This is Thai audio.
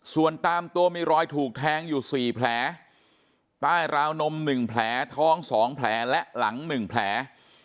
ส่วนตามตัวมีรอยถูกแทงอยู่๔แผลใต้ราวนม๑แผลท้อง๒แผลและหลัง๑แผล